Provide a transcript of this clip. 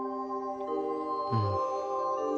うん。